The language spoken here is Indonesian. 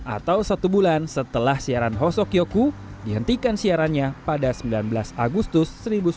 atau satu bulan setelah siaran hosokyoku dihentikan siarannya pada sembilan belas agustus seribu sembilan ratus empat puluh